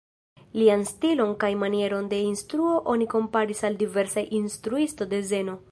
Lian stilon kaj manieron de instruo oni komparis al diversaj instruistoj de zeno.